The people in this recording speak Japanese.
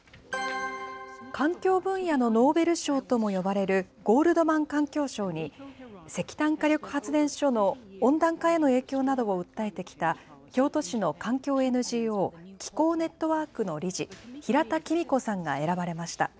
環境分野のノーベル賞とも呼ばれるゴールドマン環境賞に、石炭火力発電所の温暖化への影響などを訴えてきた、京都市の環境ＮＧＯ、気候ネットワークの理事、平田仁子さんが選ばれました。